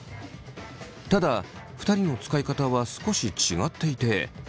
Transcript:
ただ２人の使い方は少し違っていて。